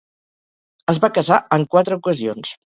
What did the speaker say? Es va casar en quatre ocasions.